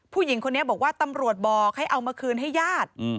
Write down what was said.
ผู้หญิงคนนี้บอกว่าตำรวจบอกให้เอามาคืนให้ญาติ